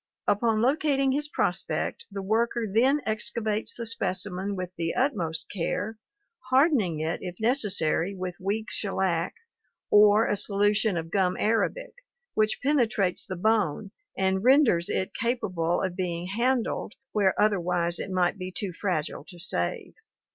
Upon locating his prospect the worker then excavates the specimen with the utmost care, hardening it if necessary with weak shellac or a solution of gum arabic, which penetrates the bone and renders it capable of being handled where otherwise it might be too fragile to save.